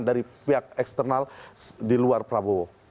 dari pihak eksternal di luar prabowo